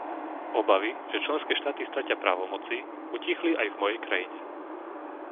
Obavy, že členské štáty stratia právomoci, utíchli aj v mojej krajine.